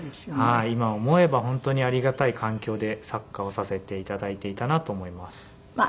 今思えば本当にありがたい環境でサッカーをさせて頂いていたなと思います。